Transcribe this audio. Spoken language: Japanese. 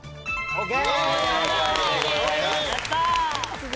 ＯＫ！